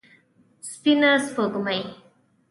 سپينه سپوږمۍ